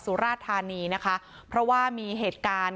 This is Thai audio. สุราธานีนะคะเพราะว่ามีเหตุการณ์